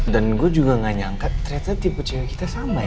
dan gue juga gak nyangka ternyata tipe cewek kita sama ya